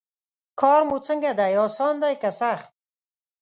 کار مو څنګه دی اسان دی که سخت.